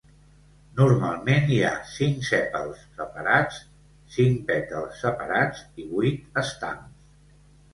Normalment, hi ha cinc sèpals separats, cinc pètals separats i vuit estams.